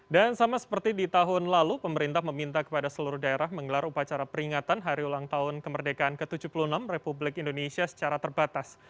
dan sama seperti di tahun lalu pemerintah meminta kepada seluruh daerah mengelar upacara peringatan hari ulang tahun kemerdekaan ke tujuh puluh enam republik indonesia secara terbatas